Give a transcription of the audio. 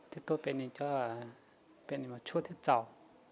thầy thuốc bệnh nhân cho bệnh nhân mà chua chứ chào